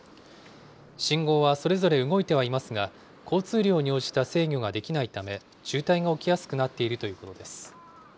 信号はそれぞれ動いてはいますが、交通量に応じた制御ができないため、渋滞が起きやすくなっているということです。